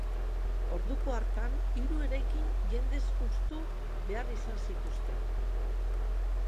Orduko hartan, hiru eraikin jendez hustu behar izan zituzten.